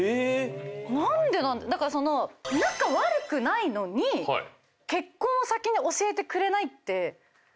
何でだからその仲悪くないのに結婚を先に教えてくれないってどういうこと。